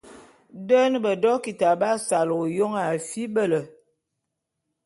Den bedokita b'asal ôyôn a fibele.